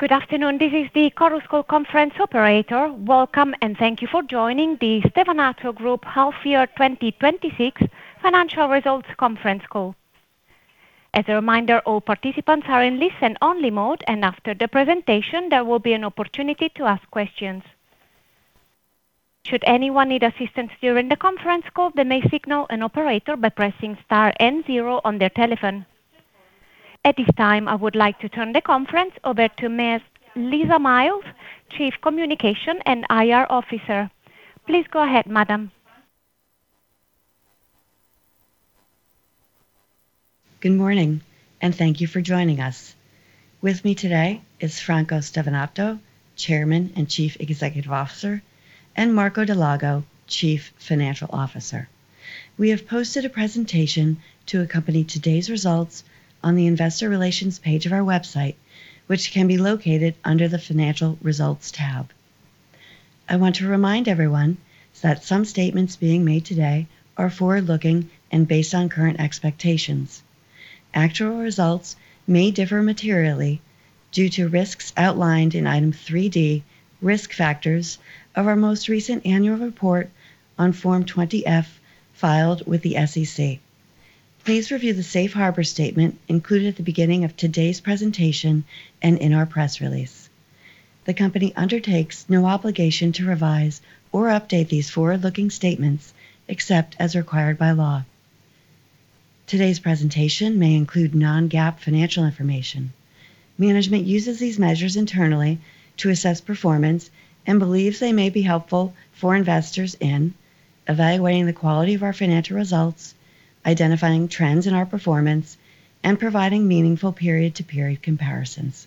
Good afternoon. This is the Chorus Call conference operator. Welcome, and thank you for joining the Stevanato Group Half Year 2026 Financial Results Conference Call. As a reminder, all participants are in listen-only mode, and after the presentation, there will be an opportunity to ask questions. Should anyone need assistance during the conference call, they may signal an operator by pressing star and zero on their telephone. At this time, I would like to turn the conference over to Ms. Lisa Miles, Chief Communication and IR Officer. Please go ahead, madam. Good morning. Thank you for joining us. With me today is Franco Stevanato, Chairman and Chief Executive Officer, and Marco Dal Lago, Chief Financial Officer. We have posted a presentation to accompany today's results on the investor relations page of our website, which can be located under the Financial Results tab. I want to remind everyone that some statements being made today are forward-looking and based on current expectations. Actual results may differ materially due to risks outlined in Item 3D: Risk Factors of our most recent annual report on Form 20-F filed with the SEC. Please review the safe harbor statement included at the beginning of today's presentation and in our press release. The company undertakes no obligation to revise or update these forward-looking statements except as required by law. Today's presentation may include non-GAAP financial information. Management uses these measures internally to assess performance and believes they may be helpful for investors in evaluating the quality of our financial results, identifying trends in our performance, and providing meaningful period-to-period comparisons.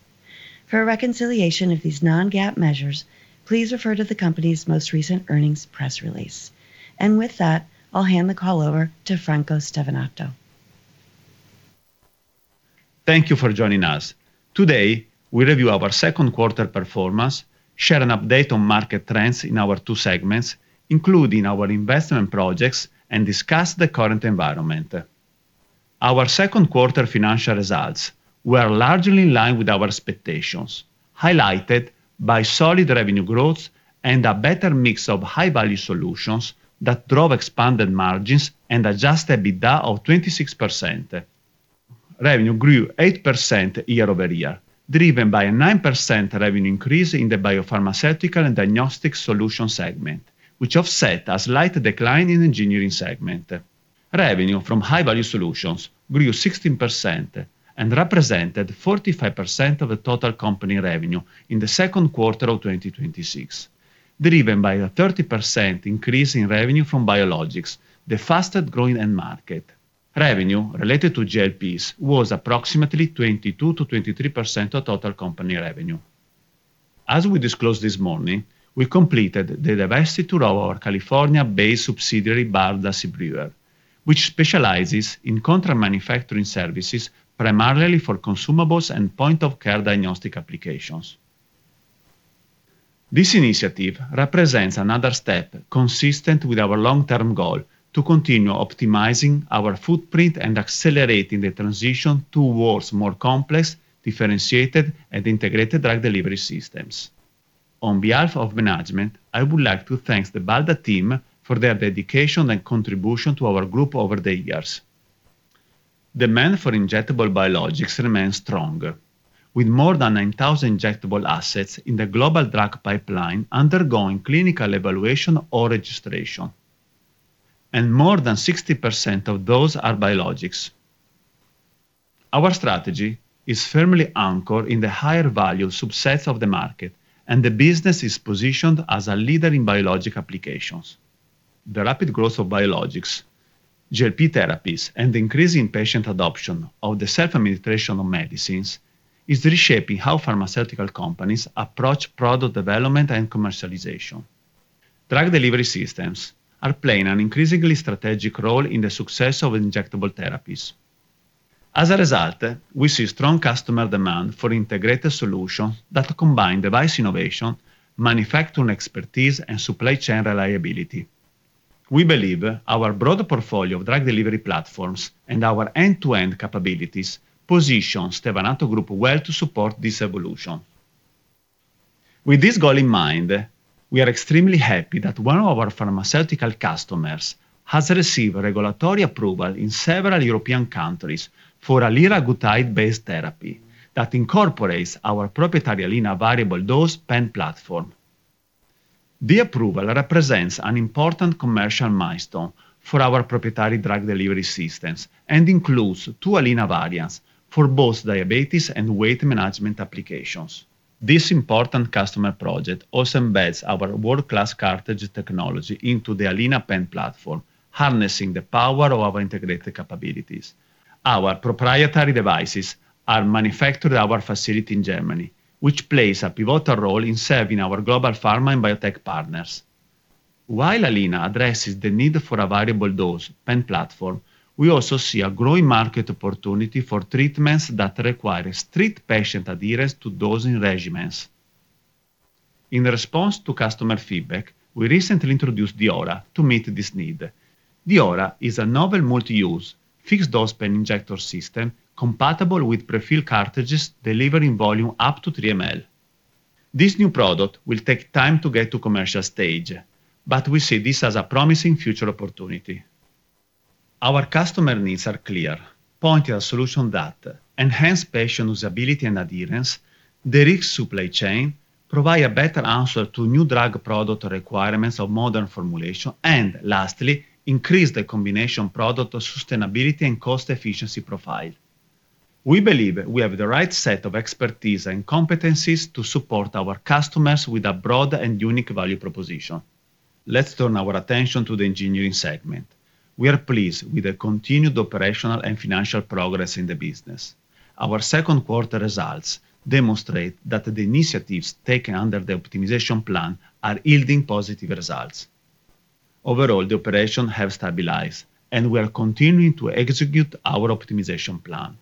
For a reconciliation of these non-GAAP measures, please refer to the company's most recent earnings press release. With that, I'll hand the call over to Franco Stevanato. Thank you for joining us. Today, we review our second quarter performance, share an update on market trends in our two segments, including our investment projects, and discuss the current environment. Our second quarter financial results were largely in line with our expectations, highlighted by solid revenue growth and a better mix of high-value solutions that drove expanded margins and adjusted EBITDA of 26%. Revenue grew 8% year-over-year, driven by a 9% revenue increase in the Biopharmaceutical and Diagnostic Solution Segment, which offset a slight decline in Engineering Segment. Revenue from high-value solutions grew 16% and represented 45% of the total company revenue in the second quarter of 2026, driven by a 30% increase in revenue from biologics, the fastest-growing end market. Revenue related to GLPs was approximately 22%-23% of total company revenue. As we disclosed this morning, we completed the divestiture of our California-based subsidiary, Balda C. Brewer, which specializes in contract manufacturing services primarily for consumables and point-of-care diagnostic applications. This initiative represents another step consistent with our long-term goal to continue optimizing our footprint and accelerating the transition towards more complex, differentiated, and integrated drug delivery systems. On behalf of management, I would like to thank the Balda team for their dedication and contribution to our group over the years. Demand for injectable biologics remains strong. With more than 9,000 injectable assets in the global drug pipeline undergoing clinical evaluation or registration, and more than 60% of those are biologics. Our strategy is firmly anchored in the higher value subsets of the market, and the business is positioned as a leader in biologic applications. The rapid growth of biologics, GLP-1 therapies, and the increase in patient adoption of the self-administration of medicines is reshaping how pharmaceutical companies approach product development and commercialization. Drug delivery systems are playing an increasingly strategic role in the success of injectable therapies. As a result, we see strong customer demand for integrated solutions that combine device innovation, manufacturing expertise, and supply chain reliability. We believe our broad portfolio of drug delivery platforms and our end-to-end capabilities position Stevanato Group well to support this evolution. With this goal in mind, we are extremely happy that one of our pharmaceutical customers has received regulatory approval in several European countries for a liraglutide-based therapy that incorporates our proprietary Alina variable dose pen platform. The approval represents an important commercial milestone for our proprietary drug delivery systems and includes two Alina variants for both diabetes and weight management applications. This important customer project also embeds our world-class cartridge technology into the Alina pen platform, harnessing the power of our integrated capabilities. Our proprietary devices are manufactured at our facility in Germany, which plays a pivotal role in serving our global pharma and biotech partners. While Alina addresses the need for a variable dose pen platform, we also see a growing market opportunity for treatments that require strict patient adherence to dosing regimens. In response to customer feedback, we recently introduced the Deora to meet this need. The Deora is a novel multi-use fixed dose pen injector system compatible with pre-fill cartridges delivering volume up to 3 ml. This new product will take time to get to commercial stage, but we see this as a promising future opportunity. Our customer needs are clear. Point-of-care solution that enhance patient usability and adherence, de-risk supply chain, provide a better answer to new drug product requirements of modern formulation, and lastly, increase the combination product sustainability and cost efficiency profile. We believe we have the right set of expertise and competencies to support our customers with a broad and unique value proposition. Let's turn our attention to the Engineering Segment. We are pleased with the continued operational and financial progress in the business. Our second quarter results demonstrate that the initiatives taken under the optimization plan are yielding positive results. Overall, the operation have stabilized, and we are continuing to execute our optimization plan.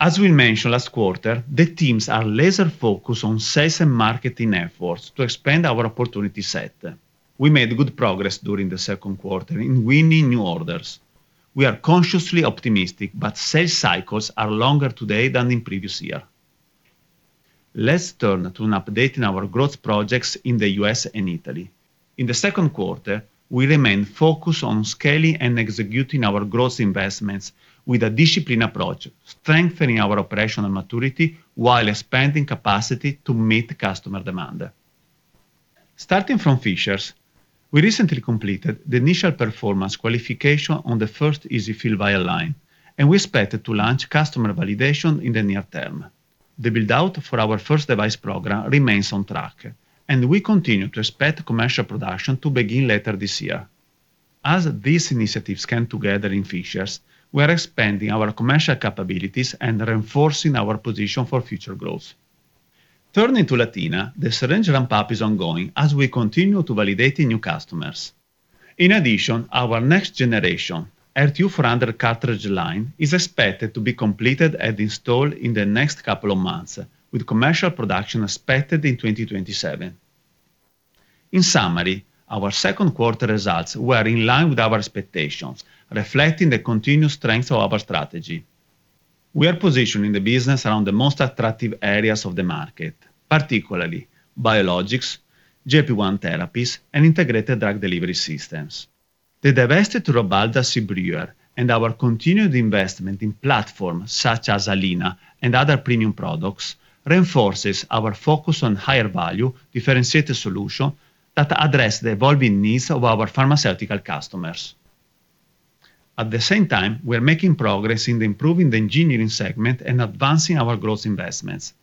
As we mentioned last quarter, the teams are laser-focused on sales and marketing efforts to expand our opportunity set. We made good progress during the second quarter in winning new orders. We are cautiously optimistic, sales cycles are longer today than in previous year. Let's turn to an update in our growth projects in the U.S. and Italy. In the second quarter, we remained focused on scaling and executing our growth investments with a disciplined approach, strengthening our operational maturity while expanding capacity to meet customer demand. Starting from Fishers, we recently completed the initial performance qualification on the first EZ-fill vial line, and we expect to launch customer validation in the near term. The build-out for our first device program remains on track, and we continue to expect commercial production to begin later this year. As these initiatives come together in Fishers, we are expanding our commercial capabilities and reinforcing our position for future growth. Turning to Latina, the syringe ramp-up is ongoing as we continue to validate new customers. In addition, our next generation RT400 cartridge line is expected to be completed and installed in the next couple of months, with commercial production expected in 2027. In summary, our second quarter results were in line with our expectations, reflecting the continued strength of our strategy. We are positioning the business around the most attractive areas of the market, particularly biologics, GLP-1 therapies, and integrated drug delivery systems. The divestment of our Balda C. Brewer and our continued investment in platforms such as Alina and other premium products reinforces our focus on higher value, differentiated solution that address the evolving needs of our pharmaceutical customers. At the same time, we are making progress in improving the Engineering segment and advancing our growth investments.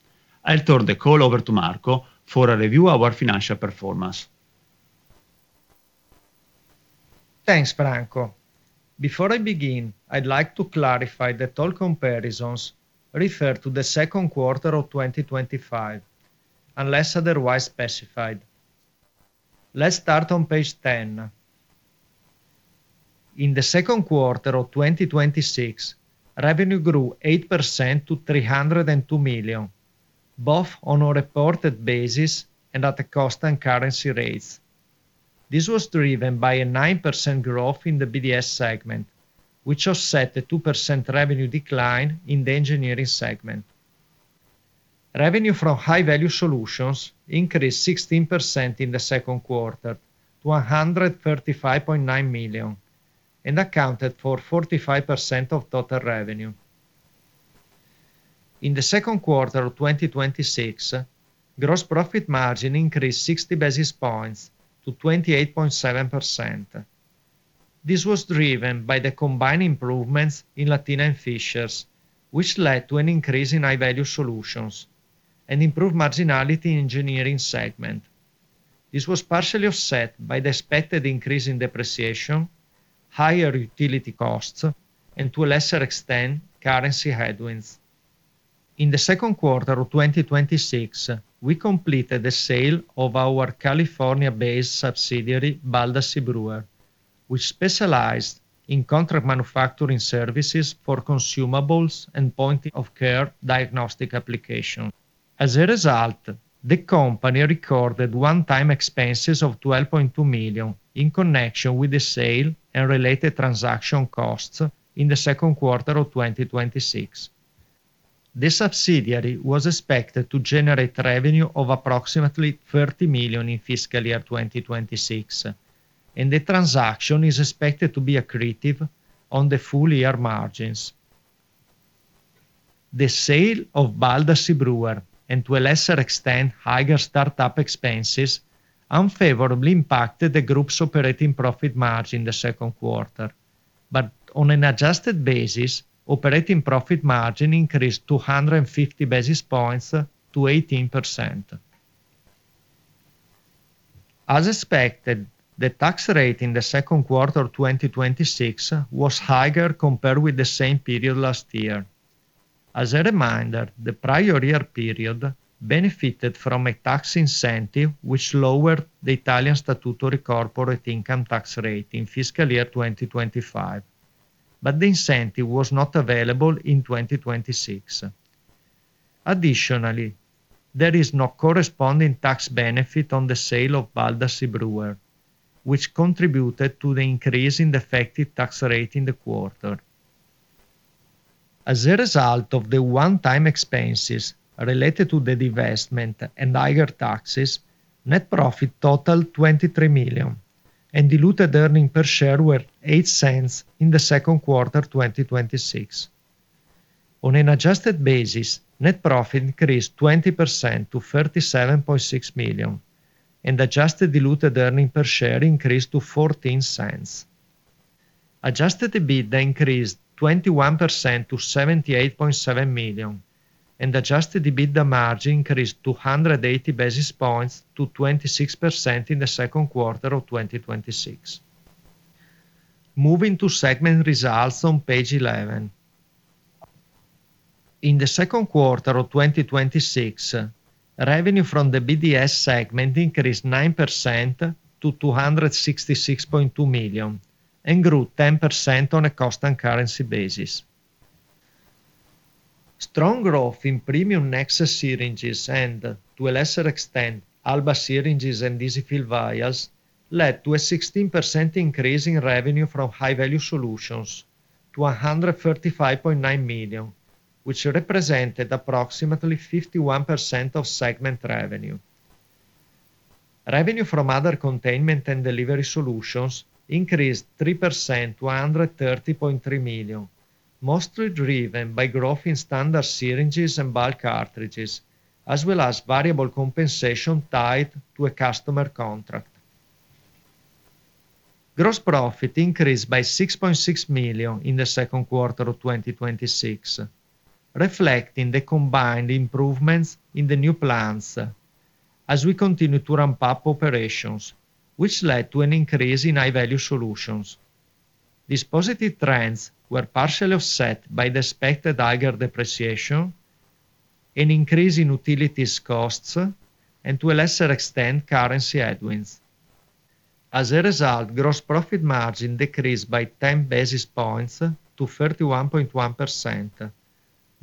I'll turn the call over to Marco for a review of our financial performance. Thanks, Franco. Before I begin, I'd like to clarify that all comparisons refer to the second quarter of 2025, unless otherwise specified. Let's start on page 10. In the second quarter of 2026, revenue grew 8% to 302 million, both on a reported basis and at a constant currency rates. This was driven by a 9% growth in the BDS segment, which offset a 2% revenue decline in the Engineering segment. Revenue from high-value solutions increased 16% in the second quarter to 135.9 million and accounted for 45% of total revenue. In the second quarter of 2026, gross profit margin increased 60 basis points to 28.7%. This was driven by the combined improvements in Latina and Fishers, which led to an increase in high-value solutions and improved marginality in Engineering segment. This was partially offset by the expected increase in depreciation, higher utility costs, and to a lesser extent, currency headwinds. In the second quarter of 2026, we completed the sale of our California-based subsidiary, Balda C. Brewer, which specialized in contract manufacturing services for consumables and point-of-care diagnostic application. As a result, the company recorded one-time expenses of 12.2 million in connection with the sale and related transaction costs in the second quarter of 2026. This subsidiary was expected to generate revenue of approximately 30 million in fiscal year 2026, and the transaction is expected to be accretive on the full year margins. The sale of Balda C. Brewer, and to a lesser extent, higher start-up expenses, unfavorably impacted the group's operating profit margin in the second quarter. On an adjusted basis, operating profit margin increased 250 basis points to 18%. As expected, the tax rate in the second quarter 2026 was higher compared with the same period last year. As a reminder, the prior year period benefited from a tax incentive, which lowered the Italian statutory corporate income tax rate in fiscal year 2025. The incentive was not available in 2026. Additionally, there is no corresponding tax benefit on the sale of Balda C. Brewer, which contributed to the increase in the effective tax rate in the quarter. As a result of the one-time expenses related to the divestment and higher taxes, net profit totaled 23 million, and diluted earning per share were 0.08 in the second quarter 2026. On an adjusted basis, net profit increased 20% to 37.6 million, and adjusted diluted earning per share increased to 0.14. Adjusted EBITDA increased 21% to 78.7 million, and adjusted EBITDA margin increased 180 basis points to 26% in the second quarter of 2026. Moving to segment results on page 11. In the second quarter of 2026, revenue from the BDS segment increased 9% to 266.2 million and grew 10% on a constant currency basis. Strong growth in premium Nexa syringes and, to a lesser extent, Alba syringes and EZ-fill vials led to a 16% increase in revenue from high-value solutions to 135.9 million, which represented approximately 51% of segment revenue. Revenue from other containment and delivery solutions increased 3% to 130.3 million, mostly driven by growth in standard syringes and bulk cartridges, as well as variable compensation tied to a customer contract. Gross profit increased by 6.6 million in the second quarter of 2026, reflecting the combined improvements in the new plants as we continue to ramp up operations, which led to an increase in high-value solutions. These positive trends were partially offset by the expected higher depreciation and increase in utilities costs, and to a lesser extent, currency headwinds. As a result, gross profit margin decreased by 10 basis points to 31.1%. The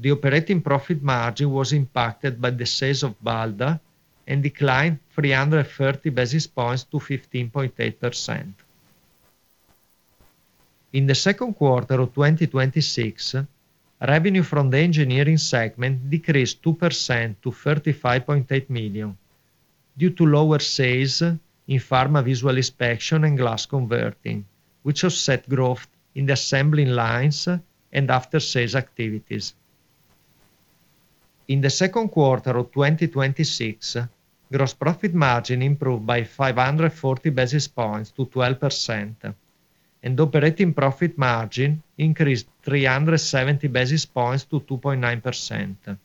operating profit margin was impacted by the sales of Balda and declined 330 basis points to 15.8%. In the second quarter of 2026, revenue from the Engineering segment decreased 2% to 35.8 million due to lower sales in pharma visual inspection and glass converting, which offset growth in the assembling lines and after-sales activities. In the second quarter of 2026, gross profit margin improved by 540 basis points to 12%, and operating profit margin increased 370 basis points to 2.9%.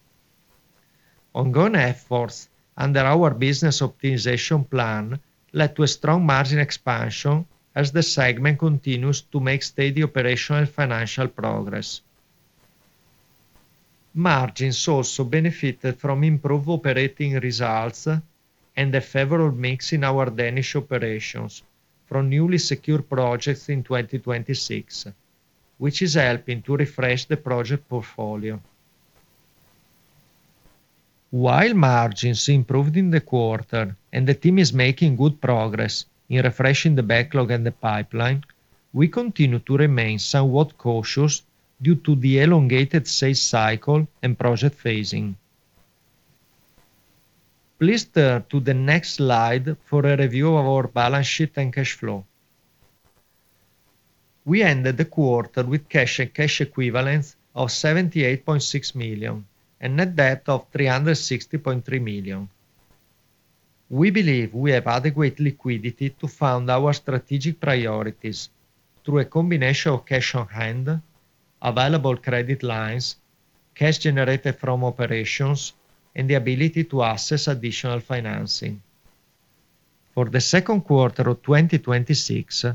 Ongoing efforts under our business optimization plan led to a strong margin expansion as the segment continues to make steady operational and financial progress. Margins also benefited from improved operating results and the favorable mix in our Danish operations from newly secured projects in 2026, which is helping to refresh the project portfolio. While margins improved in the quarter and the team is making good progress in refreshing the backlog and the pipeline, we continue to remain somewhat cautious due to the elongated sales cycle and project phasing. Please turn to the next slide for a review of our balance sheet and cash flow. We ended the quarter with cash and cash equivalents of 78.6 million and net debt of 360.3 million. We believe we have adequate liquidity to fund our strategic priorities through a combination of cash on hand, available credit lines, cash generated from operations, and the ability to access additional financing. For the second quarter of 2026,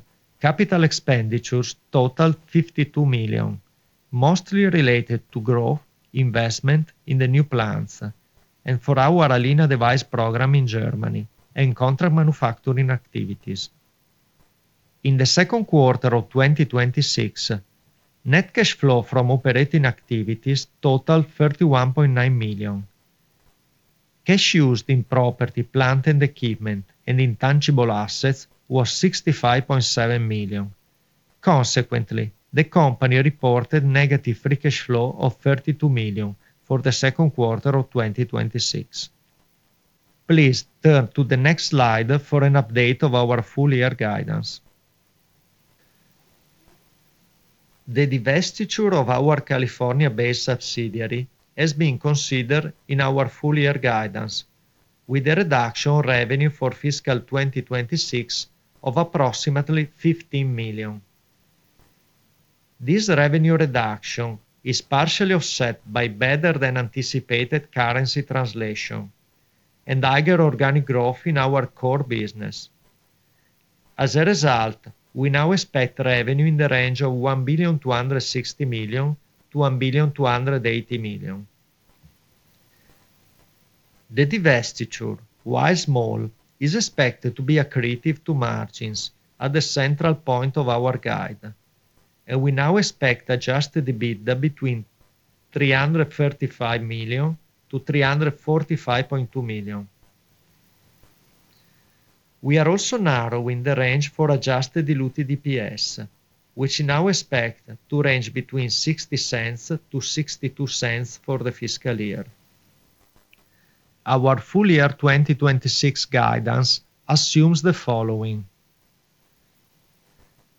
capital expenditure totaled 52 million, mostly related to growth, investment in the new plants, and for our Alina device program in Germany, and contract manufacturing activities. In the second quarter of 2026, net cash flow from operating activities totaled 31.9 million. Cash used in property, plant, and equipment and intangible assets was 65.7 million. Consequently, the company reported negative free cash flow of 32 million for the second quarter of 2026. Please turn to the next slide for an update of our full-year guidance. The divestiture of our California-based subsidiary has been considered in our full-year guidance, with a reduction revenue for fiscal 2026 of approximately 15 million. This revenue reduction is partially offset by better-than-anticipated currency translation and higher organic growth in our core business. As a result, we now expect revenue in the range of 1.260 billion-1.280 billion. The divestiture, while small, is expected to be accretive to margins at the central point of our guide, and we now expect adjusted EBITDA between 335 million-345.2 million. We are also narrowing the range for adjusted diluted EPS, which we now expect to range between 0.60-0.62 for the fiscal year. Our full year 2026 guidance assumes the following.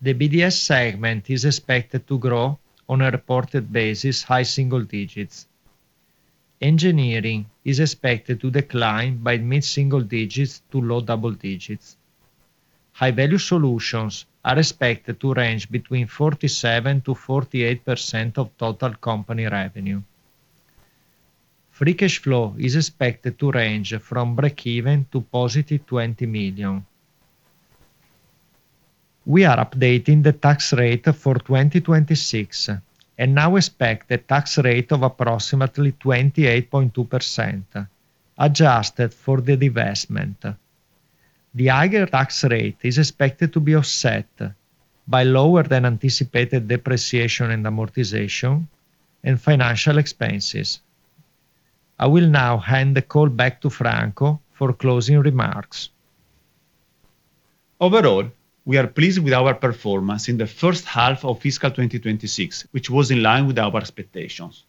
The BDS Segment is expected to grow on a reported basis, high single digits. Engineering is expected to decline by mid-single digits to low double digits. High-Value Solutions are expected to range between 47%-48% of total company revenue. Free cash flow is expected to range from breakeven to +20 million. We are updating the tax rate for 2026 and now expect a tax rate of approximately 28.2%, adjusted for the divestment. The higher tax rate is expected to be offset by lower than anticipated depreciation and amortization and financial expenses. I will now hand the call back to Franco for closing remarks. Overall, we are pleased with our performance in the first half of fiscal 2026, which was in line with our expectations.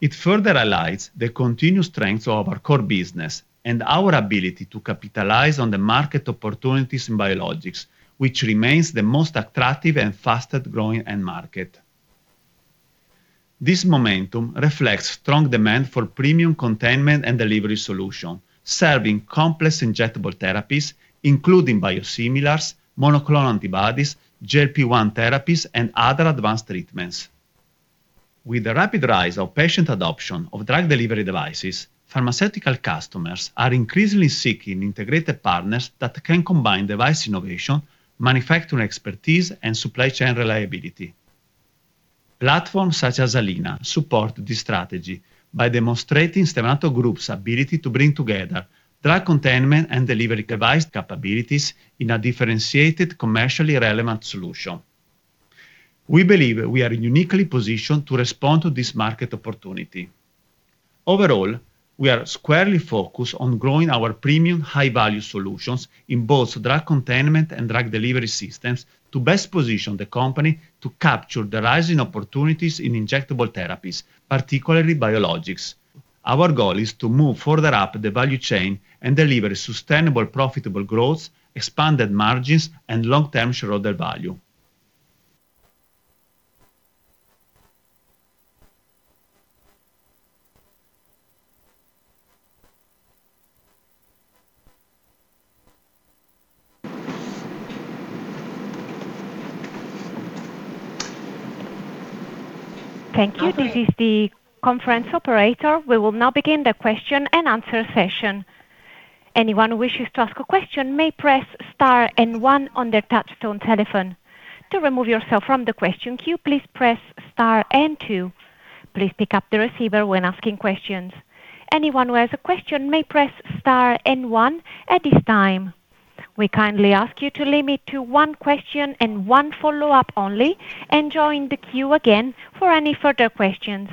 It further aligns the continued strength of our core business and our ability to capitalize on the market opportunities in biologics, which remains the most attractive and fastest growing end market. This momentum reflects strong demand for premium containment and delivery solution, serving complex injectable therapies, including biosimilars, monoclonal antibodies, GLP-1 therapies, and other advanced treatments. With the rapid rise of patient adoption of drug delivery devices, pharmaceutical customers are increasingly seeking integrated partners that can combine device innovation, manufacturing expertise, and supply chain reliability. Platforms such as Alina support this strategy by demonstrating Stevanato Group's ability to bring together drug containment and delivery device capabilities in a differentiated, commercially relevant solution. We believe we are uniquely positioned to respond to this market opportunity. Overall, we are squarely focused on growing our premium high-value solutions in both drug containment and drug delivery systems to best position the company to capture the rising opportunities in injectable therapies, particularly biologics. Our goal is to move further up the value chain and deliver sustainable, profitable growth, expanded margins, and long-term shareholder value. Thank you. This is the conference operator. We will now begin the question and answer session. Anyone who wishes to ask a question may press star and one on their touchtone telephone. To remove yourself from the question queue, please press star and two. Please pick up the receiver when asking questions. Anyone who has a question may press star and one at this time. We kindly ask you to limit to one question and one follow-up only, and join the queue again for any further questions.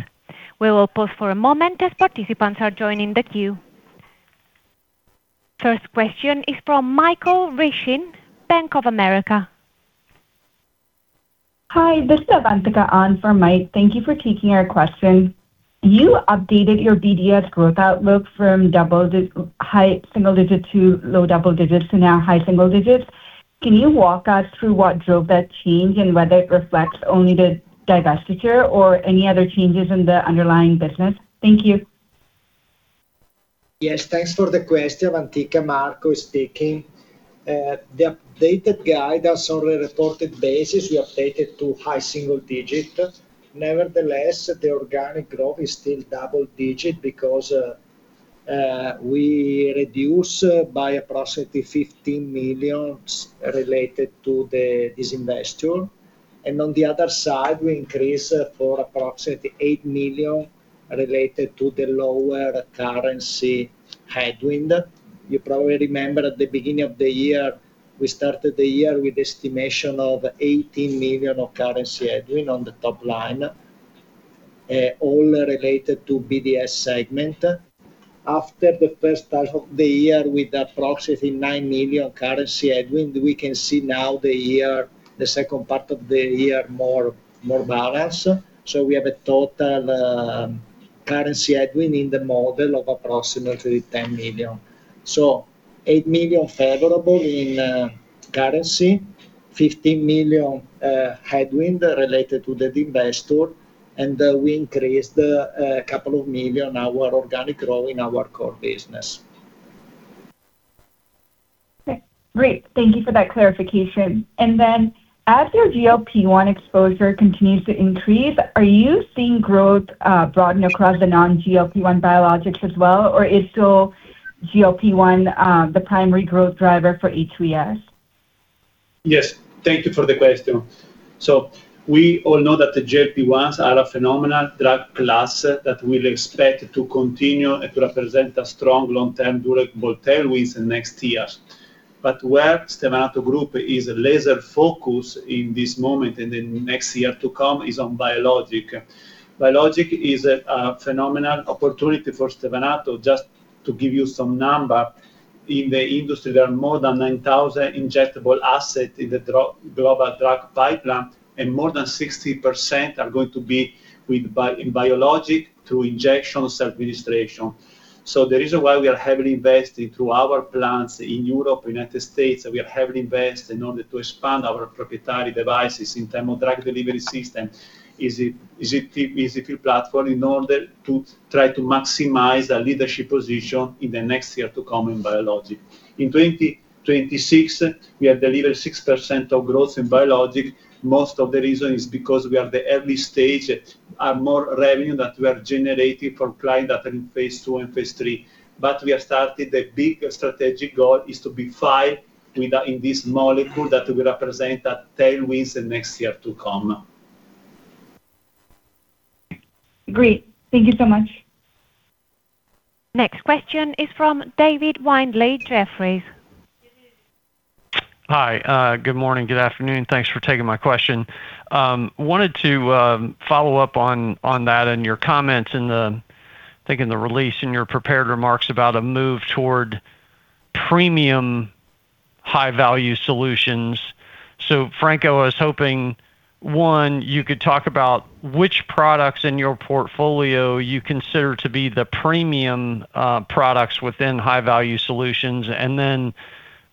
We will pause for a moment as participants are joining the queue. First question is from Michael Ryskin, Bank of America. Hi, this is Avantika on for Mike. Thank you for taking our question. You updated your BDS growth outlook from high single digit to low double digits to now high single digits. Can you walk us through what drove that change and whether it reflects only the divestiture or any other changes in the underlying business? Thank you. Thanks for the question, Avantika. Marco speaking. The updated guide on a reported basis, we updated to high single digit. Nevertheless, the organic growth is still double digit because we reduce by approximately 15 million related to the divestiture, and on the other side, we increase for approximately 8 million related to the lower currency headwind. You probably remember at the beginning of the year, we started the year with estimation of 18 million of currency headwind on the top line, all related to BDS segment. After the first half of the year, with approximately 9 million currency headwind, we can see now the second part of the year, more balance. We have a total currency headwind in the model of approximately 10 million. 8 million favorable in currency, 15 million headwind related to the divestiture, and we increased a couple of million to our organic growth in our core business. Okay, great. Thank you for that clarification. As your GLP-1 exposure continues to increase, are you seeing growth broaden across the non-GLP-1 biologics as well, or is still GLP-1 the primary growth driver for HVS? Yes. Thank you for the question. We all know that the GLP-1s are a phenomenal drug class that we'll expect to continue and to represent a strong long-term durable tailwind in next years. But where Stevanato Group is laser focused in this moment and the next year to come is on biologic. Biologic is a phenomenal opportunity for Stevanato. Just to give you some numbers, in the industry, there are more than 9,000 injectable assets in the global drug pipeline, and more than 60% are going to be in biologic through injection self-administration. The reason why we are heavily invested through our plants in Europe, U.S., and we are heavily invested in order to expand our proprietary devices in terms of drug delivery system is a key platform in order to try to maximize our leadership position in the next year to come in biologic. In 2026, we have delivered 6% of growth in biologic. Most of the reason is because we are at the early stage and more revenue that we are generating from client that are in phase II and phase III. We have started the big strategic goal is to be 45% in this molecule that will represent a tailwind the next year to come. Great. Thank you so much. Next question is from David Windley, Jefferies. Hi. Good morning. Good afternoon. Thanks for taking my question. Wanted to follow up on that and your comments in, I think, in the release, in your prepared remarks about a move toward premium high-value solutions. Franco, I was hoping, one, you could talk about which products in your portfolio you consider to be the premium products within high-value solutions, and then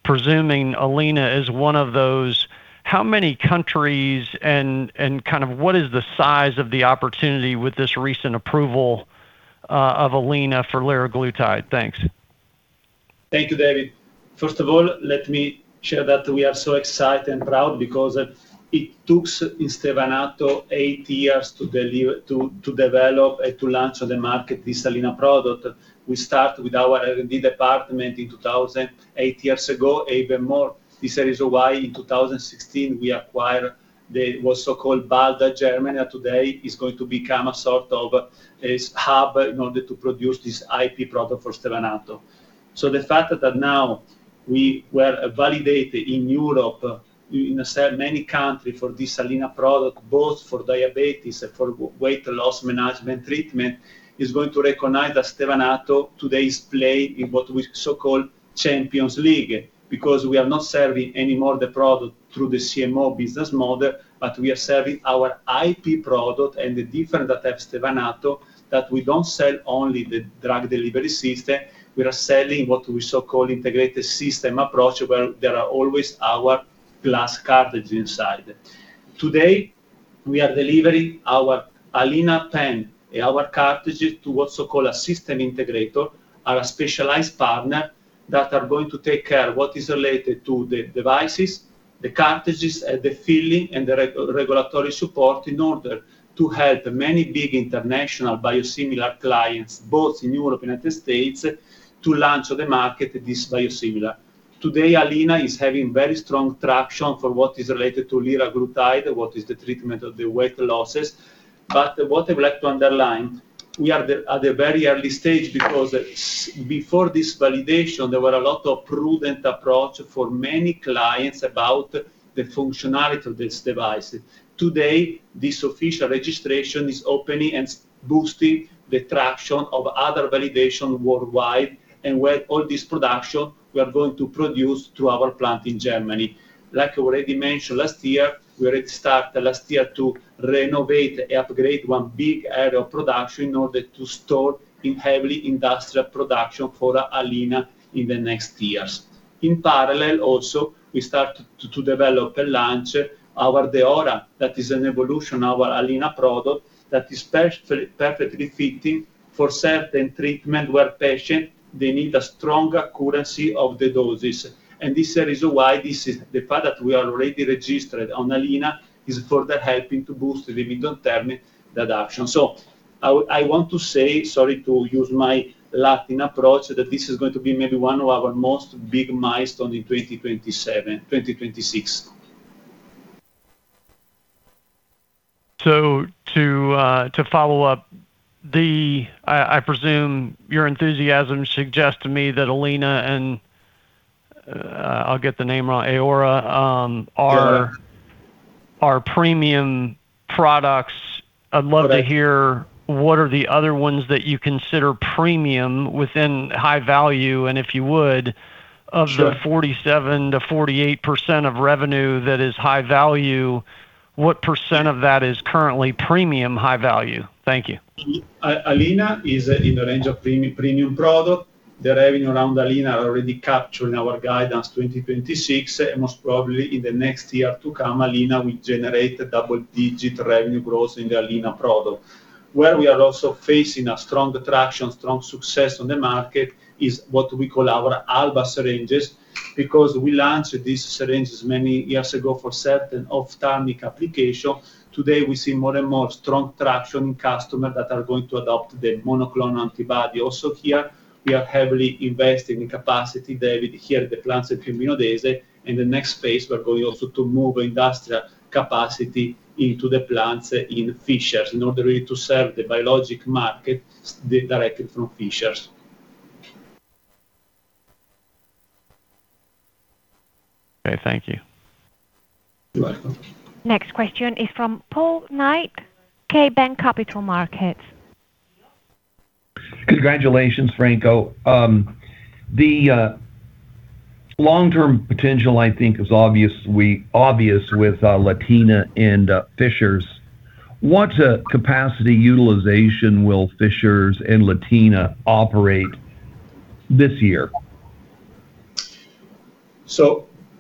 presuming Alina is one of those, how many countries and what is the size of the opportunity with this recent approval of Alina for liraglutide? Thanks. Thank you, David. First of all, let me share that we are so excited and proud because it took Stevanato eight years to develop and to launch on the market this Alina product. We start with our R&D department in 2000, eight years ago, even more. This is why in 2016, we acquired the what so-called Balda Germany, that today is going to become a sort of a hub in order to produce this IP product for Stevanato. The fact that now we were validated in Europe, in so many countries for this Alina product, both for diabetes and for weight loss management treatment, is going to recognize that Stevanato today is playing in what we so-called Champions League, because we are not serving any more the product through the CMO business model, but we are serving our IP product and the difference that at Stevanato, that we don't sell only the drug delivery system, we are selling what we so-called integrated system approach, where there are always our glass cartridge inside. Today, we are delivering our Alina pen, our cartridges to what so-called a system integrator, are a specialized partner that are going to take care of what is related to the devices, the cartridges, the filling, and the regulatory support in order to help many big international biosimilar clients, both in Europe and U.S., to launch on the market this biosimilar. Today, Alina is having very strong traction for what is related to liraglutide, what is the treatment of the weight losses. What I would like to underline, we are at the very early stage because before this validation, there were a lot of prudent approach for many clients about the functionality of this device. Today, this official registration is opening and boosting the traction of other validation worldwide and where all this production we are going to produce through our plant in Germany. Like I already mentioned last year, we already start last year to renovate and upgrade one big area of production in order to store in heavy industrial production for Alina in the next years. In parallel, also, we start to develop and launch our Deora, that is an evolution of our Alina product that is perfectly fitting for certain treatment where patient they need a strong accuracy of the doses. This is the reason why this is the product we are already registered on Alina is further helping to boost the medium-term reduction. I want to say, sorry to use my Latin approach, that this is going to be maybe one of our most big milestone in 2026. To follow up, I presume your enthusiasm suggests to me that Alina and, I'll get the name wrong, Deora are... Yeah. ...premium products. I'd love to hear what are the other ones that you consider premium within high value, and if you would... Sure. ...of the 47%-48% of revenue that is high value, what percent of that is currently premium high value? Thank you. Alina is in the range of premium product. The revenue around Alina already captured in our guidance 2026, and most probably in the next year to come, Alina will generate double-digit revenue growth in the Alina product. Where we are also facing a strong traction, strong success on the market is what we call our Alba syringes, because we launched these syringes many years ago for certain ophthalmic application. Today, we see more and more strong traction customer that are going to adopt the monoclonal antibody. Also here, we are heavily investing in capacity, David, here at the plants at Piombino Dese. In the next phase, we are going also to move industrial capacity into the plants in Fishers in order to serve the biologic market directly through Fishers. Okay, thank you. You're welcome. Next question is from Paul Knight, KeyBanc Capital Markets. Congratulations, Franco. The long-term potential, I think is obvious with Latina and Fishers. What capacity utilization will Fishers and Latina operate this year?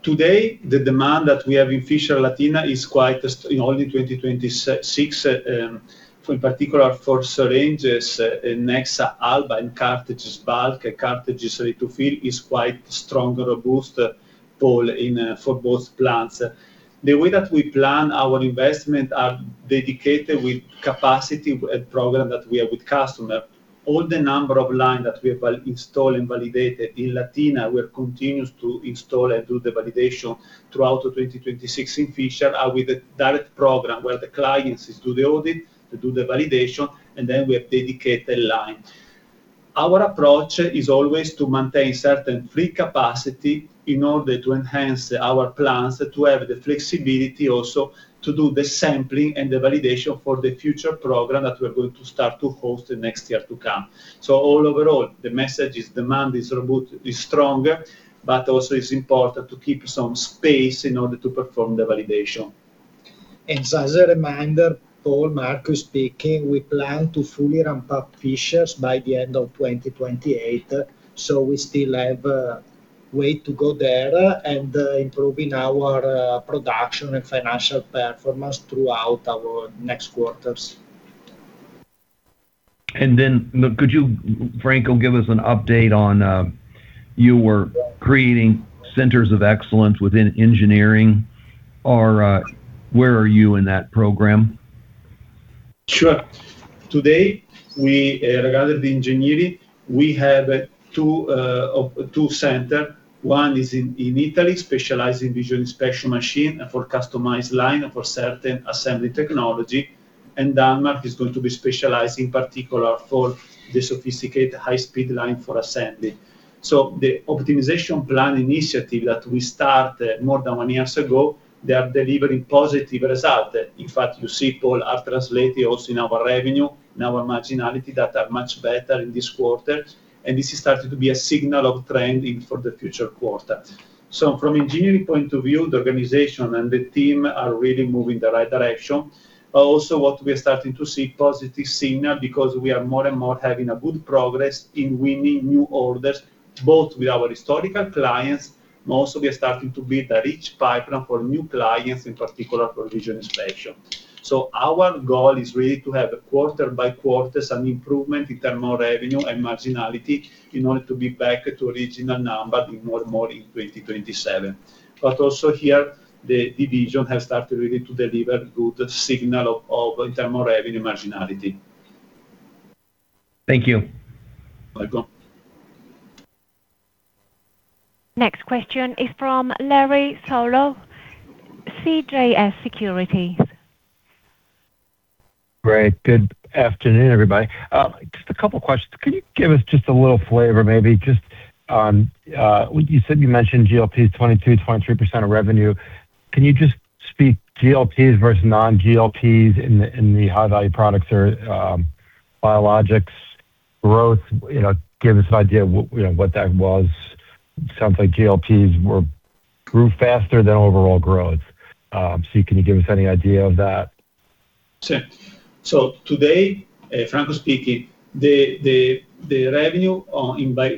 Today, the demand that we have in Fisher, Latina in only 2026, in particular for syringes, Nexa, Alba, and cartridges, bulk cartridges ready to fill, is quite strong, robust, Paul, for both plants. The way that we plan our investment are dedicated with capacity and program that we have with customer. All the number of line that we have installed and validated in Latina, we are continuous to install and do the validation throughout 2026. In Fisher, are with a direct program where the clients is do the audit, they do the validation, and then we have dedicated line. Our approach is always to maintain certain free capacity in order to enhance our plans, to have the flexibility also to do the sampling and the validation for the future program that we are going to start to host the next year to come. All overall, the message is demand is stronger, but also it's important to keep some space in order to perform the validation. As a reminder, Paul, Marco speaking, we plan to fully ramp up Fishers by the end of 2028. We still have a way to go there and improving our production and financial performance throughout our next quarters. Could you, Franco, give us an update on, you were creating centers of excellence within engineering or where are you in that program? Sure. Today, regarding the engineering, we have two center. One is in Italy, specialized in visual inspection machine for customized line for certain assembly technology. Denmark is going to be specialized in particular for the sophisticated high-speed line for assembly. The optimization plan initiative that we start more than one years ago, they are delivering positive result. In fact, you see, Paul, are translating also in our revenue, in our marginality that are much better in this quarter, and this is starting to be a signal of trending for the future quarter. From engineering point of view, the organization and the team are really moving the right direction. Also what we are starting to see positive signal because we are more and more having a good progress in winning new orders, both with our historical clients. We are starting to build a rich pipeline for new clients, in particular for vision inspection. Our goal is really to have a quarter by quarter some improvement in terms of revenue and marginality in order to be back to original number in more in 2027. Also here, the division has started really to deliver good signal of internal revenue marginality. Thank you. Welcome. Next question is from Larry Solow, CJS Securities. Great. Good afternoon, everybody. Just a couple a of questions. Can you give us just a little flavor, maybe, just on, you said you mentioned GLPs 22%-23% of revenue. Can you just speak GLPs versus non-GLPs in the high-value products or biologics growth, give us an idea of what that was. Sounds like GLPs grew faster than overall growth. Can you give us any idea of that? Sure. Today, Franco speaking, the revenue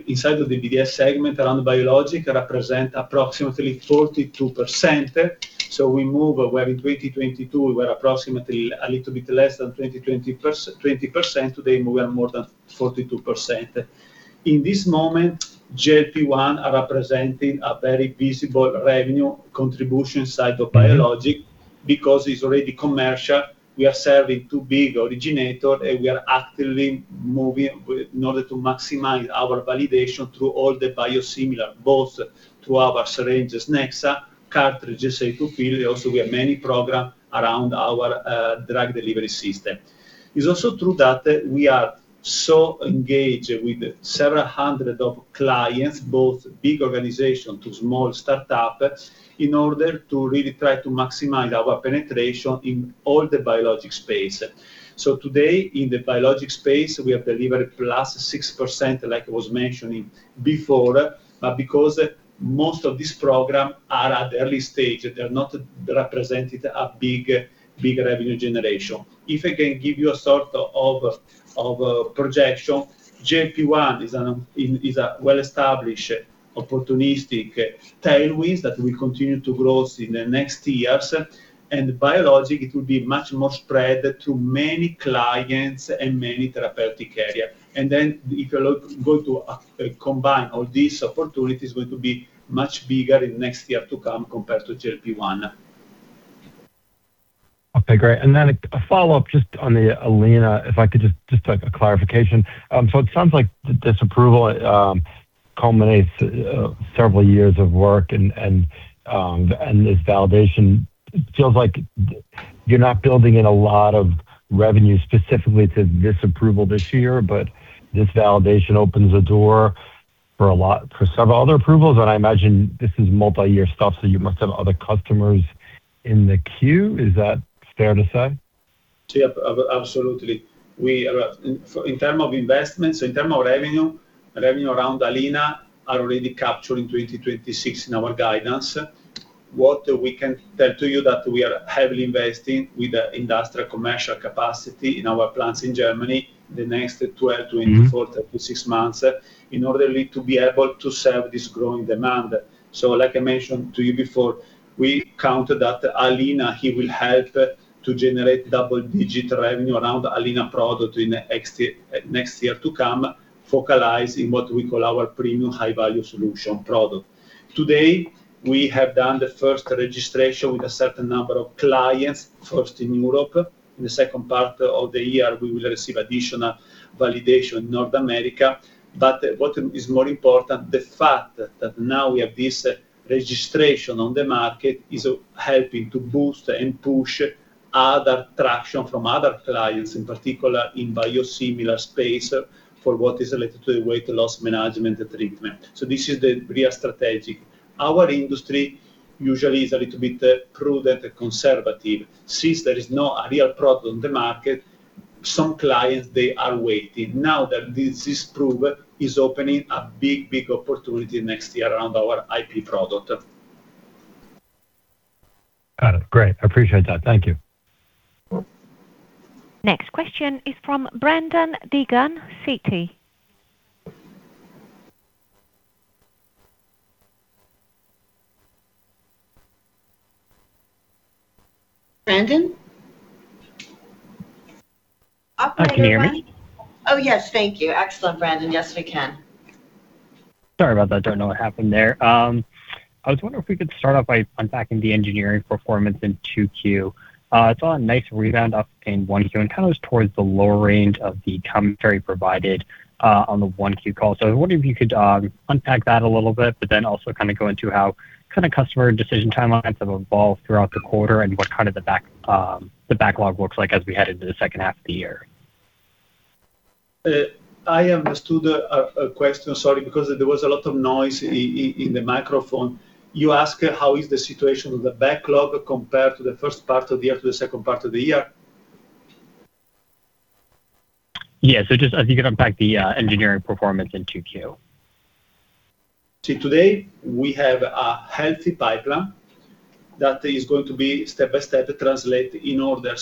inside of the BDS segment around biologic represent approximately 42%. We move where in 2022, we were approximately a little bit less than 20%. Today, we are more than 42%. In this moment, GLP-1 are representing a very visible revenue contribution side of biologic because it's already commercial. We are serving two big originator, and we are actively moving in order to maximize our validation through all the biosimilar, both through our syringes, Nexa, cartridges, EZ-fill. Also, we have many program around our drug delivery system. It's also true that we are so engaged with several hundred of clients, both big organization to small startup, in order to really try to maximize our penetration in all the biologic space. Today, in the biologic space, we have delivered +6%, like I was mentioning before. Because most of these program are at early stage, they're not represented a big revenue generation. If I can give you a sort of projection. GLP-1 is a well-established opportunistic tailwind that will continue to grow in the next years. Biologic, it will be much more spread to many clients and many therapeutic area. If you go to combine all these opportunities, going to be much bigger in next year to come compared to GLP-1. Okay, great. A follow-up just on the Alina, if I could just take a clarification. It sounds like this approval culminates several years of work, and this validation feels like you're not building in a lot of revenue specifically to this approval this year, but this validation opens the door for several other approvals, and I imagine this is multi-year stuff, so you must have other customers in the queue. Is that fair to say? Yeah, absolutely. In term of investments, in term of revenue around Alina are already captured in 2026 in our guidance. What we can tell to you that we are heavily investing with the industrial commercial capacity in our plants in Germany, the next 12, 24 to 6 months, in order to be able to serve this growing demand. Like I mentioned to you before, we count that Alina here will help to generate double-digit revenue around Alina product in next year to come, focalized in what we call our premium high-value solution product. Today, we have done the first registration with a certain number of clients, first in Europe. In the second part of the year, we will receive additional validation in North America. What is more important, the fact that now we have this registration on the market is helping to boost and push other traction from other clients, in particular in biosimilar space, for what is related to weight loss management treatment. This is the real strategic. Our industry usually is a little bit prudent and conservative. Since there is not a real product on the market, some clients, they are waiting. Now that this is proved, is opening a big, big opportunity next year around our IP product. Got it. Great. I appreciate that. Thank you. Next question is from Brandon Deegan, Citi. Brandon? Can you hear me? Oh, yes. Thank you. Excellent, Brandon. Yes, we can. Sorry about that. Do not know what happened there. I was wondering if we could start off by unpacking the engineering performance in 2Q. I saw a nice rebound up in 1Q, kind of was towards the lower range of the commentary provided on the 1Q call. I was wondering if you could unpack that a little bit, also kind of go into how kind of customer decision timelines have evolved throughout the quarter and what kind of the backlog looks like as we head into the second half of the year. I understood a question, sorry, because there was a lot of noise in the microphone. You ask how is the situation with the backlog compared to the first part of the year to the second part of the year? Yeah. Just if you could unpack the engineering performance in 2Q. To today, we have a healthy pipeline that is going to be step-by-step translate in order.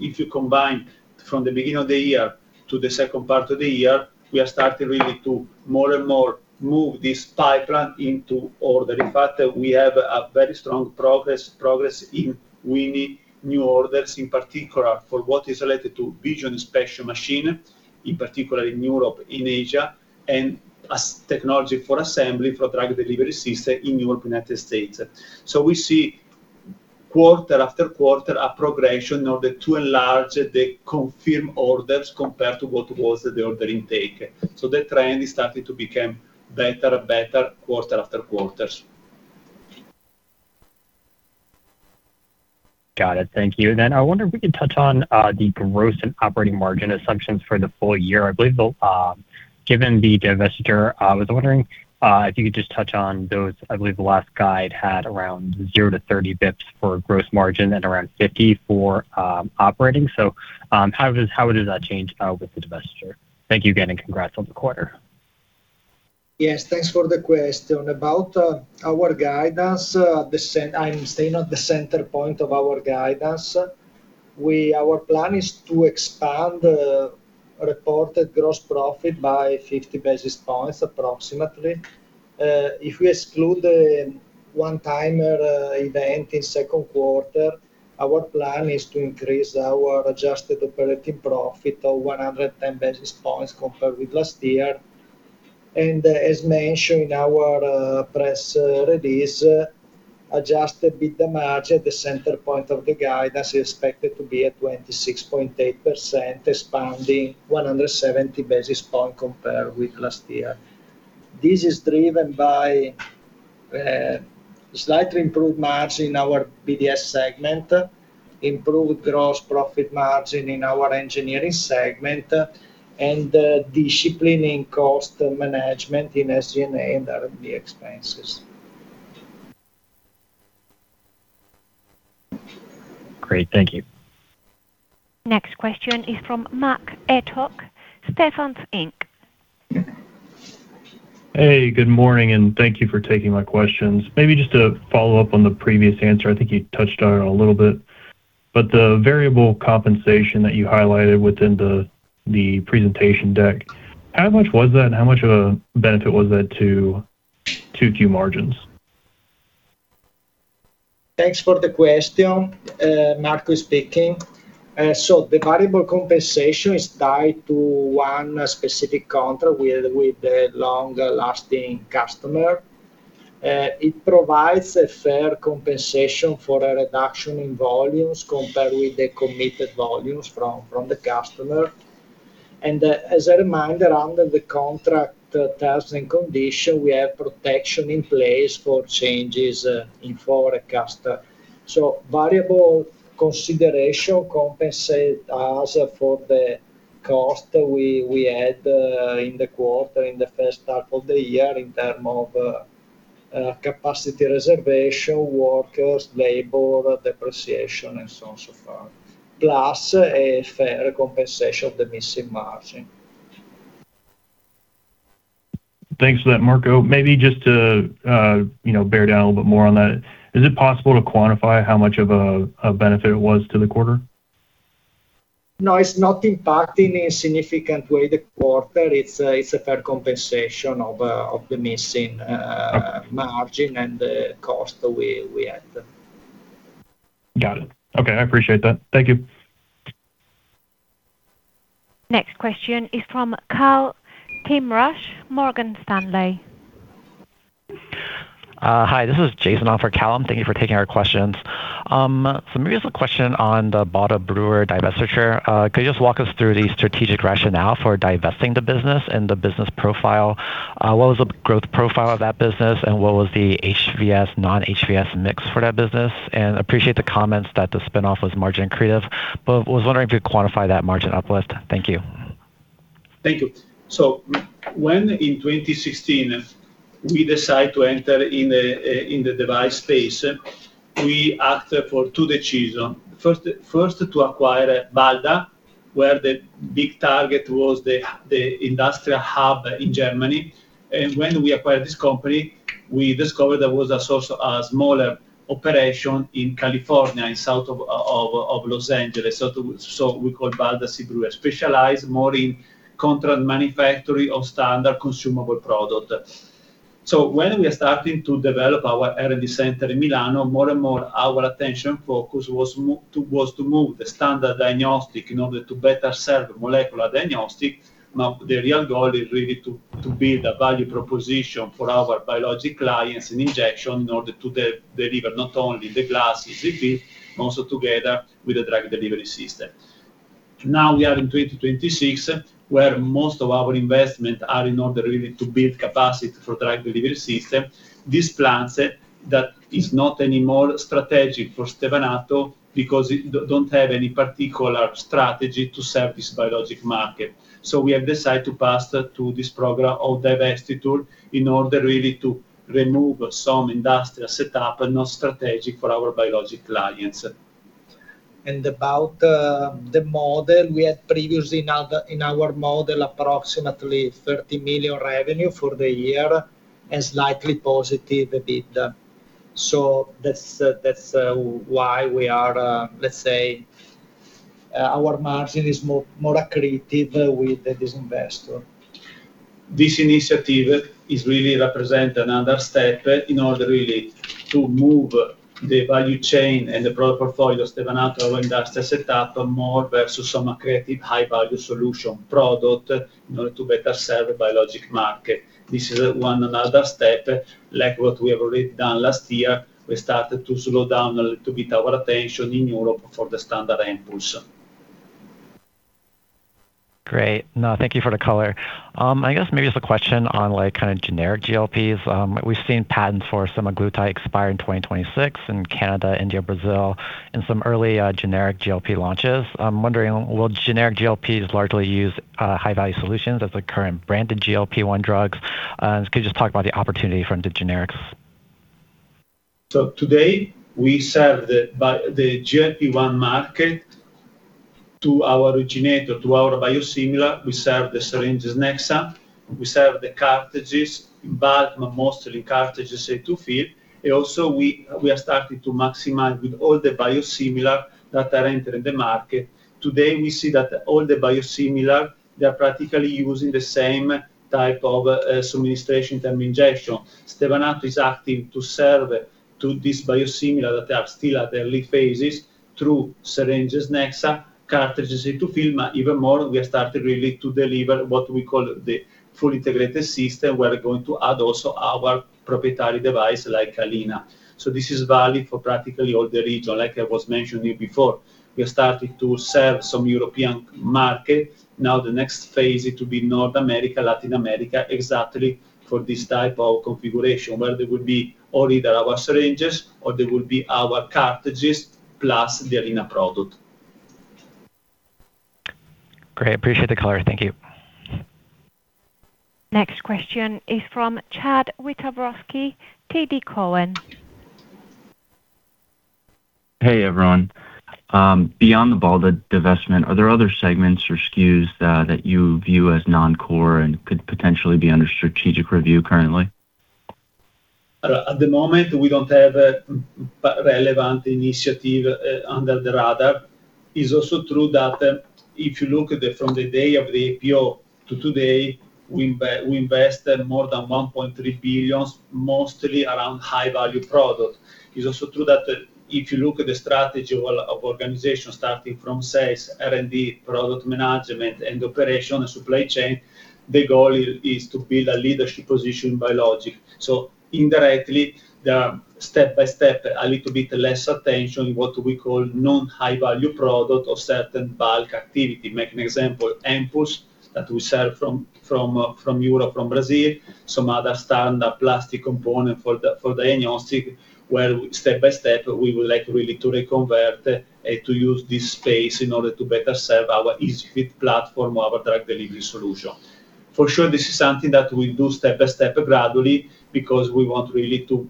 If you combine from the beginning of the year to the second part of the year, we are starting really to more and more move this pipeline into order. In fact, we have a very strong progress in winning new orders, in particular for what is related to vision inspection machine, in particular in Europe, in Asia, and as technology for assembly for drug delivery system in Europe and United States. We see quarter after quarter a progression to enlarge the confirmed orders compared to what was the order intake. The trend is starting to become better and better quarter after quarters. Got it. Thank you. I wonder if we could touch on the gross and operating margin assumptions for the full year. I believe, given the divestiture, I was wondering if you could just touch on those. I believe the last guide had around 0 basis points to 30 basis points for gross margin and around 50 basis points for operating. How does that change with the divestiture? Thank you again, and congrats on the quarter. Yes, thanks for the question. About our guidance, I'm staying at the center point of our guidance. Our plan is to expand the reported gross profit by 50 basis points approximately. If we exclude the one-timer event in second quarter, our plan is to increase our adjusted operating profit of 110 basis points compared with last year. As mentioned in our press release, adjusted EBITDA margin at the center point of the guidance is expected to be at 26.8%, expanding 170 basis point compared with last year. This is driven by slightly improved margin in our BDS segment, improved gross profit margin in our Engineering segment, and disciplining cost management in SG&A and R&D expenses. Great. Thank you. Next question is from Mac Etoch, Stephens Inc. Hey, good morning. Thank you for taking my questions. Maybe just to follow up on the previous answer, I think you touched on it a little bit, but the variable compensation that you highlighted within the presentation deck, how much was that? How much of a benefit was that to Q2 margins? Thanks for the question. Marco speaking. The variable compensation is tied to one specific contract with the long-lasting customer. It provides a fair compensation for a reduction in volumes compared with the committed volumes from the customer. As a reminder, under the contract terms and condition, we have protection in place for changes in forecast. Variable consideration compensate us for the cost we had in the quarter, in the first half of the year in term of capacity reservation, workers, labor, depreciation, and so on, so forth, plus a fair compensation of the missing margin. Thanks for that, Marco. Maybe just to bear down a little bit more on that, is it possible to quantify how much of a benefit it was to the quarter? No, it's not impacting a significant way the quarter. It's a fair compensation of the missing... Okay. ...margin and the cost we had. Got it. Okay, I appreciate that. Thank you. Next question is from Kallum Titchmarsh, Morgan Stanley. Hi, this is Jason on for Kallum. Thank you for taking our questions. Maybe just a question on the Balda C. Brewer divestiture. Could you just walk us through the strategic rationale for divesting the business and the business profile? What was the growth profile of that business, and what was the HVS, non-HVS mix for that business? Appreciate the comments that the spinoff was margin accretive, but was wondering if you could quantify that margin uplift. Thank you. Thank you. When in 2016 we decide to enter in the device space, we acted for two decision. First, to acquire Balda, where the big target was the industrial hub in Germany. When we acquired this company, we discovered there was also a smaller operation in California, in south of Los Angeles. We call Balda C. Brewer, specialized more in contract manufacturing of standard consumable product. When we are starting to develop our R&D center in Milano, more and more our attention focus was to move the standard diagnostic in order to better serve molecular diagnostic. The real goal is really to build a value proposition for our biologic clients in injection in order to deliver not only the glass EZ-fill, also together with the drug delivery system. We are in 2026, where most of our investment are in order really to build capacity for drug delivery system. This plant that is not anymore strategic for Stevanato because it don't have any particular strategy to serve this biologic market. We have decided to pass to this program of divestiture in order really to remove some industrial setup and not strategic for our biologic clients. About the model, we had previously in our model approximately 30 million revenue for the year and slightly positive EBITDA. That's why we are, let's say, our margin is more accretive with this divestiture. This initiative is really represent another step in order really to move the value chain and the product portfolio of Stevanato, our industrial setup, more versus some accretive high-value solution product in order to better serve the biologic market. This is one another step, like what we have already done last year. We started to slow down a little bit our attention in Europe for the standard impulse]. Great. Thank you for the color. I guess maybe just a question on generic GLPs. We've seen patents for semaglutide expire in 2026 in Canada, India, Brazil, and some early generic GLP launches. I'm wondering, will generic GLPs largely use high-value solutions as the current branded GLP-1 drugs? Could you just talk about the opportunity from the generics? Today, we serve the GLP-1 market to our originator, to our biosimilar. We serve the syringes Nexa. We serve the cartridges in bulk, but mostly cartridges EZ-fill. Also, we are starting to maximize with all the biosimilar that are entering the market. Today, we see that all the biosimilar, they're practically using the same type of administration term injection. Stevanato is acting to serve to this biosimilar that are still at their late phases through syringes Nexa, cartridges EZ-fill, but even more, we are starting really to deliver what we call the fully integrated system. We're going to add also our proprietary device like Alina. This is valid for practically all the region. Like I was mentioning before, we started to serve some European market. The next phase it will be North America, Latin America, exactly for this type of configuration, where there would be only either our syringes or there would be our cartridges plus the Alina product. Great. Appreciate the color. Thank you. Next question is from Chad Wiatrowski, TD Cowen. Hey, everyone. Beyond the bulk divestment, are there other segments or SKUs that you view as non-core and could potentially be under strategic review currently? At the moment, we don't have a relevant initiative under the radar. It's also true that if you look at it from the day of the IPO to today, we invested more than 1.3 billion, mostly around high-value product. It's also true that if you look at the strategy of organization, starting from sales, R&D, product management, and operation, supply chain, the goal is to build a leadership position biologic. Indirectly, there are step by step, a little bit less attention, what we call non-high-value product or certain bulk activity. Make an example, ampoules that we sell from Europe, from Brazil, some other standard plastic component for the diagnostic, where step by step, we would like really to reconvert, to use this space in order to better serve our EZ-fill platform, our drug delivery solution. For sure, this is something that we'll do step by step gradually because we want really to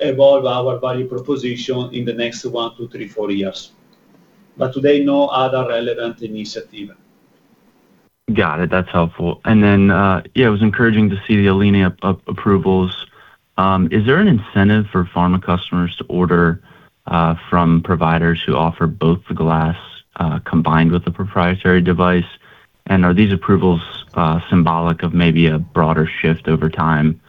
evolve our value proposition in the next one to three, four years. Today, no other relevant initiative. Got it. That's helpful. Then, yeah, it was encouraging to see the Alina approvals. Is there an incentive for pharma customers to order from providers who offer both the glass, combined with the proprietary device? Are these approvals symbolic of maybe a broader shift over time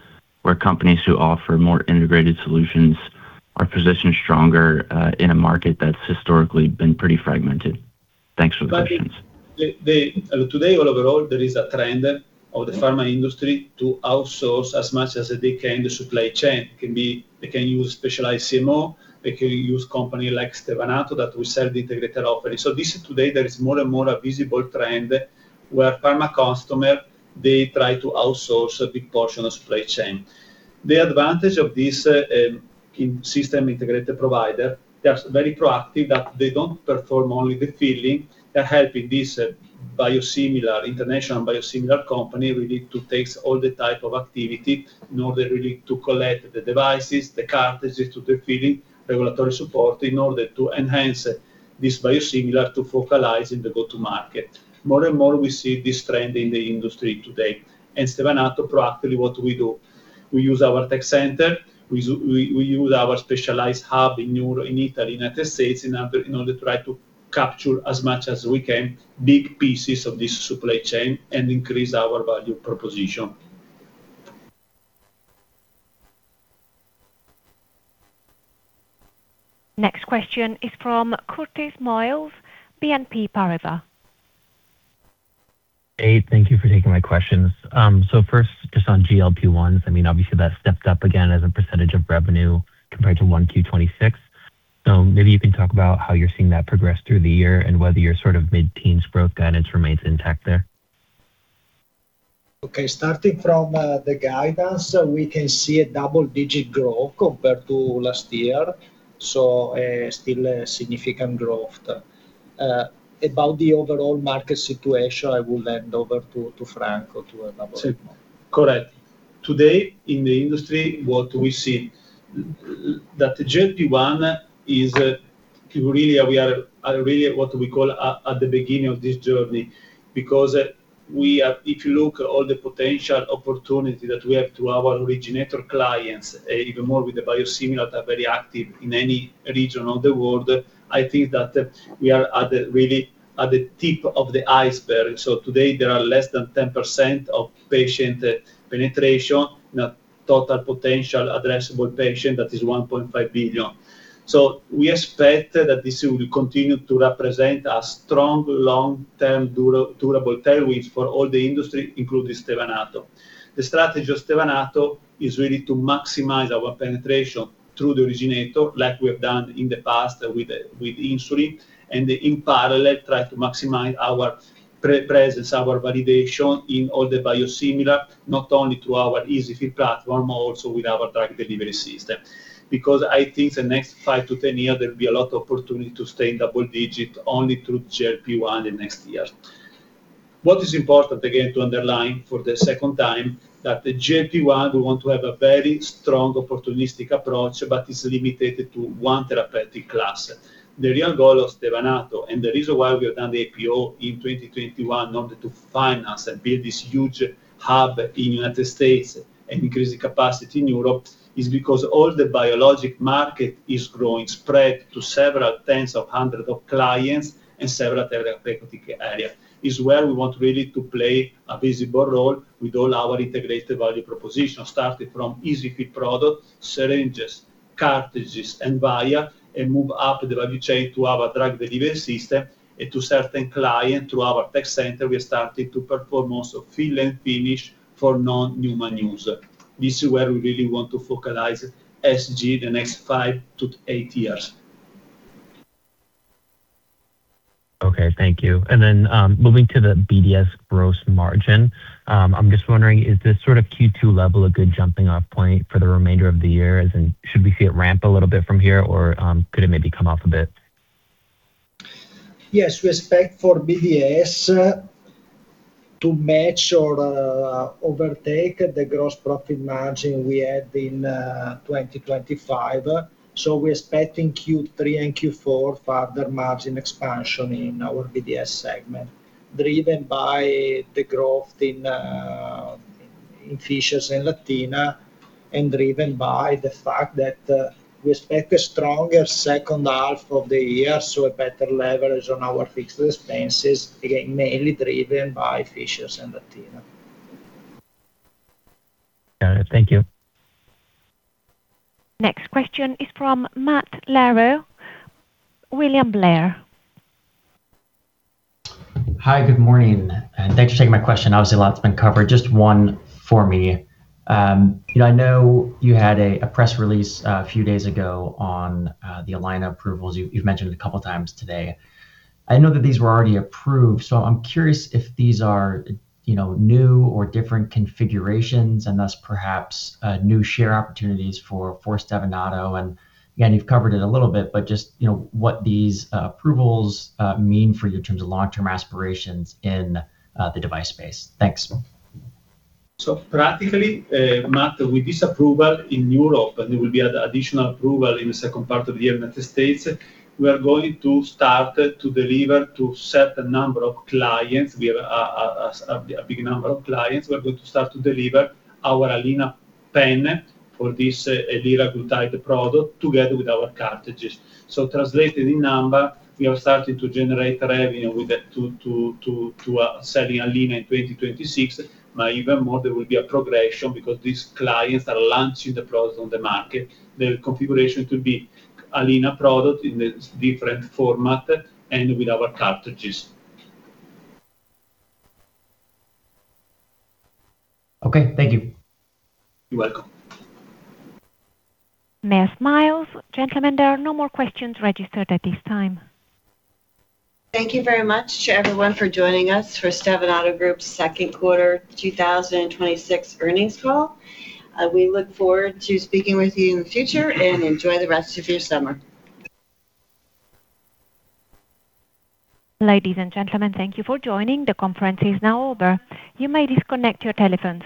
where companies who offer more integrated solutions are positioned stronger in a market that's historically been pretty fragmented? Thanks for the questions. Today, overall, there is a trend of the pharma industry to outsource as much as they can the supply chain. They can use specialized CMO. They can use company like Stevanato that we sell the integrated offering. This is today, there is more and more a visible trend where pharma customer, they try to outsource a big portion of supply chain. The advantage of this system integrated provider, they are very proactive that they don't perform only the filling. They help in this biosimilar, international biosimilar company, really to take all the type of activity in order really to collect the devices, the cartridges to the filling, regulatory support in order to enhance this biosimilar to focalize in the go-to market. More and more we see this trend in the industry today. Stevanato, proactively, what do we do? We use our tech center. We use our specialized hub in Europe, in Italy, United States, in order to try to capture as much as we can, big pieces of this supply chain and increase our value proposition. Next question is from Curtis Moiles, BNP Paribas. Hey, thank you for taking my questions. First, just on GLP-1s, obviously that stepped up again as a percentage of revenue compared to 1Q 2026. Maybe you can talk about how you're seeing that progress through the year and whether your mid-teens growth guidance remains intact there. Okay. Starting from the guidance, we can see a double-digit growth compared to last year, still a significant growth. About the overall market situation, I will hand over to Franco to elaborate more. Sure. Correct. Today in the industry, what we see, that the GLP-1 is really what we call at the beginning of this journey. Because if you look at all the potential opportunity that we have to our originator clients, even more with the biosimilar that are very active in any region of the world, I think that we are really at the tip of the iceberg. Today, there are less than 10% of patient penetration, total potential addressable patient, that is 1.5 billion. We expect that this will continue to represent a strong, long-term, durable tailwinds for all the industry, including Stevanato. The strategy of Stevanato is really to maximize our penetration through the originator like we have done in the past with insulin, in parallel, try to maximize our presence, our validation in all the biosimilars, not only to our EZ-fill platform, also with our drug delivery system. I think the next 5 to 10 years, there will be a lot of opportunity to stay in double-digit only through GLP-1 in next years. What is important, again, to underline for the second time, that the GLP-1, we want to have a very strong opportunistic approach, but it's limited to one therapeutic class. The real goal of Stevanato, the reason why we have done the IPO in 2021 in order to finance and build this huge hub in United States and increase the capacity in Europe, is because all the biologic market is growing, spread to several tens of hundreds of clients and several therapeutic areas. Is where we want really to play a visible role with all our integrated value proposition, starting from EZ-fill product, syringes, cartridges, and vials, and move up the value chain to our drug delivery system and to certain clients, to our tech center, we started to perform also fill and finish for non-human use. This is where we really want to focalize SG the next five to eight years. Okay, thank you. Then, moving to the BDS gross margin, I'm just wondering, is this sort of Q2 level a good jumping off point for the remainder of the year? Should we see it ramp a little bit from here, or could it maybe come off a bit? Yes, we expect for BDS to match or overtake the gross profit margin we had in 2025. We're expecting Q3 and Q4 further margin expansion in our BDS segment, driven by the growth in facilities in Latina, driven by the fact that we expect a stronger second half of the year, a better leverage on our fixed expenses, again, mainly driven by facilities in Latina. Got it. Thank you. Next question is from Matt Larew, William Blair. Hi, good morning, and thanks for taking my question. Obviously, a lot's been covered. Just one for me. I know you had a press release a few days ago on the Alina approvals. You've mentioned it a couple of times today. I know that these were already approved, so I'm curious if these are new or different configurations and thus perhaps new share opportunities for Stevanato. Again, you've covered it a little bit, but just what these approvals mean for you in terms of long-term aspirations in the device space. Thanks. Practically, Matt, with this approval in Europe, there will be additional approval in the second part of the year in the United States, we are going to start to deliver to certain number of clients. We have a big number of clients. We are going to start to deliver our Alina pen for this liraglutide product together with our cartridges. Translated in number, we are starting to generate revenue with that to selling Alina in 2026. Even more, there will be a progression because these clients are launching the product on the market. The configuration to be Alina product in the different format and with our cartridges. Okay, thank you. You're welcome. Ms. Miles. Gentlemen, there are no more questions registered at this time. Thank you very much to everyone for joining us for Stevanato Group's second quarter 2026 earnings call. We look forward to speaking with you in the future, enjoy the rest of your summer. Ladies and gentlemen, thank you for joining. The conference is now over. You may disconnect your telephones.